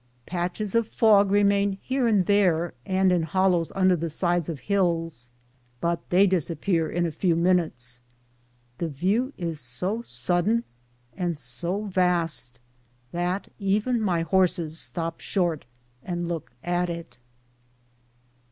Patches of fog remain here and there and in hollows under the sides of hills, but they disappear in a few min utes. The view is so sudden and so vast that even my horses stop short and look at it.